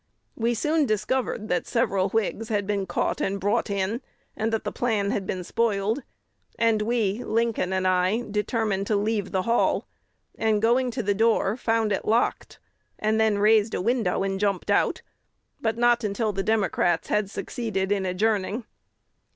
We soon discovered that several Whigs had been caught and brought in, and that the plan had been spoiled; and we Lincoln and I determined to leave the hall, and, going to the door, found it locked, and then raised a window and jumped out, but not until the Democrats had succeeded in adjourning.